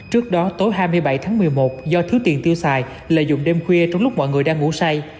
trước đó tối hai mươi bảy tháng một mươi một do thiếu tiền tiêu xài lợi dụng đêm khuya trong lúc mọi người đang ngủ say